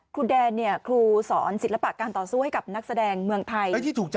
ครูแดนครูสอนศิลปะการต่อสู้ให้กับนักแสดงเมืองไทย